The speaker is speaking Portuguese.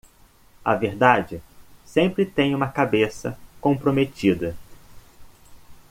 A verdade sempre tem uma cabeça comprometida.